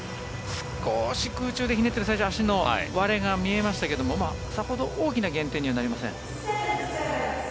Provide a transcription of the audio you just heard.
少し空中でひねっている最中足の割れが見えましたけどさほど大きな減点にはなりません。